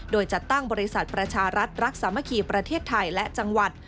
โดยจัดตั้งบริษัทประชารัฐรักสามัคคีประเทศไทยและจังหวัด